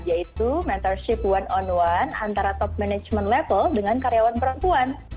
yaitu mentorship one on one antara top management level dengan karyawan perempuan